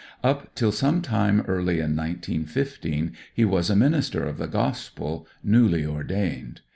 Up till some time early in 1915 he was a minister of the Gospel, newly ordained.